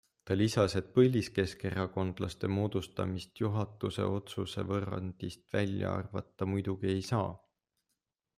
Ta lisas, et põliskeskerakondlaste moodustamist juhatuse otsuse võrrandist välja arvata muidugi ei saa.